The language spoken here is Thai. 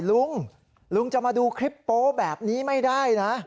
ลุงลุงจะมาดูคลิปโป๊แบบนี้ไม่ได้นะ